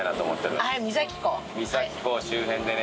三崎港周辺でね